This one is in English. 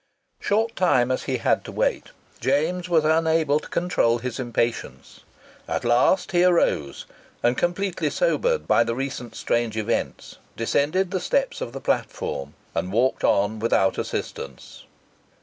Short time as he had to await, James was unable to control his impatience. At last he arose, and, completely sobered by the recent strange events, descended the steps of the platform, and walked on without assistance.